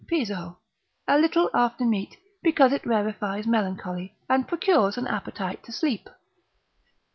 Piso, a little after meat, because it rarefies melancholy, and procures an appetite to sleep.